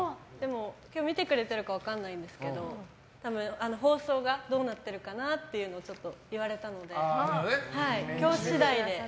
今日見てくれてるか分からないんですけど放送がどうなってるかなというのは言われたので。